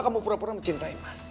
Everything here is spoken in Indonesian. kamu pura pura mencintai mas